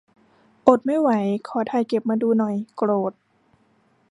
อดไม่ไหว ขอถ่ายเก็บมาดูหน่อย โกรธ